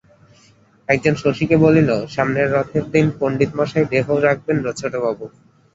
একজন শশীকে বলিল, সামনের রথের দিন পণ্ডিত মশায় দেহ রাখবেন ছোটবাবু।